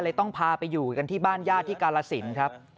ต้องพาไปอยู่กันที่บ้านญาติที่กาลสินครับ